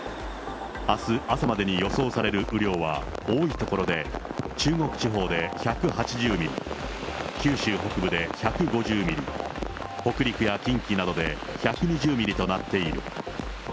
あす朝までに予想される雨量は多い所で、中国地方で１８０ミリ、九州北部で１５０ミリ、北陸や近畿などで１２０ミリとなっている。